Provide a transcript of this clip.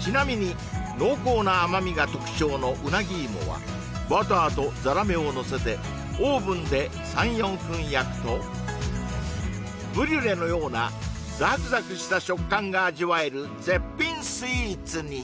ちなみに濃厚な甘みが特徴のうなぎいもはバターとザラメをのせてオーブンで３４分焼くとブリュレのようなザクザクした食感が味わえる絶品スイーツに！